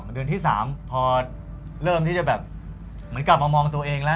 เดือนที่๓พอเริ่มที่จะแบบเหมือนกลับมามองตัวเองแล้ว